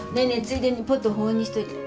ついでにポット保温にしといて。